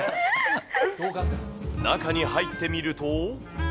中に入ってみると。